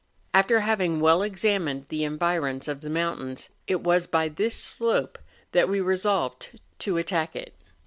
After having well examined the environs of the moun¬ tains, it was by this slope that we resolved to attack it.